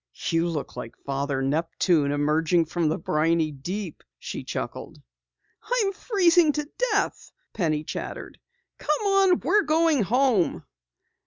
"You look like Father Neptune emerging from the briny deep," she chuckled. "I'm freezing to death," Penny chattered. "Come on, we're going home!"